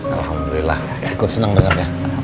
alhamdulillah aku senang dengarnya